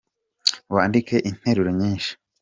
Wandike interuro nyishi.